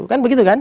kan begitu kan